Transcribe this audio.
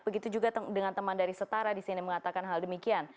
begitu juga dengan teman dari setara di sini mengatakan hal demikian